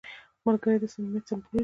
ملګری د صمیمیت سمبول دی